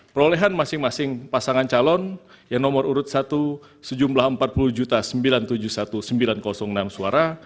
perolehan masing masing pasangan calon yang nomor urut satu sejumlah empat puluh sembilan ratus tujuh puluh satu sembilan ratus enam suara